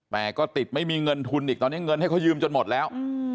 แต่ก็ติดไม่มีเงินทุนอีกตอนนี้เงินให้เขายืมจนหมดแล้ว